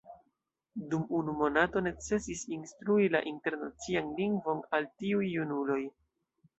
Dum unu monato necesis instrui la Internacian Lingvon al tiuj junuloj.